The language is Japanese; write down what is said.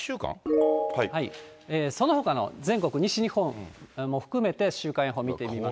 そのほかの全国、西日本も含めて週間予報を見てみますと。